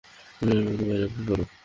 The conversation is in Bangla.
তুমি এয়ারপোর্টের বাইরে অপেক্ষা কোরো।